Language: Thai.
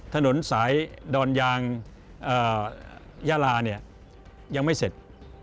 ถนนสายดอนยางยาลาเนี่ยยังไม่เสร็จ